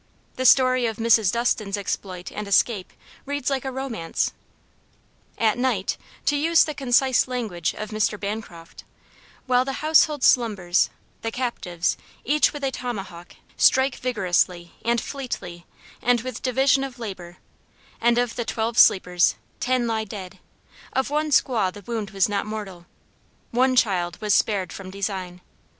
The story of Mrs. Dustin's exploit and escape reads like a romance. "At night," to use the concise language of Mr. Bancroft, "while the household slumbers, the captives, each with a tomahawk, strike vigorously, and fleetly, and with division of labor, and of the twelve sleepers, ten lie dead; of one squaw the wound was not mortal; one child was spared from design.